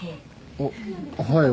あっはい。